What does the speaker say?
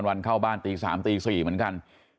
วันเข้าบ้านตี๓ตี๔เหมือนกัน